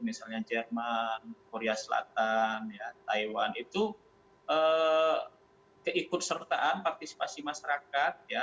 misalnya jerman korea selatan taiwan itu keikut sertaan partisipasi masyarakat